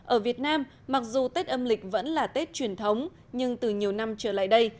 ở việt nam mặc dù tết âm lịch vẫn là tết truyền thống nhưng từ nhiều năm trở lại đây